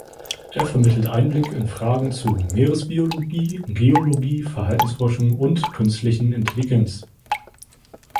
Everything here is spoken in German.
Er vermittelt Einblick in Fragen zur Meeresbiologie, Geologie, Verhaltensforschung und künstlichen Intelligenz.